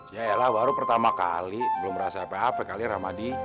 ya elah baru pertama kali belum merasa apa apa kali ramadhi